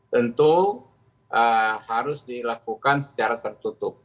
tentu harus dilakukan secara tertutup